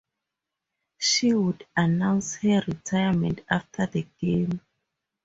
She would announce her retirement after the game.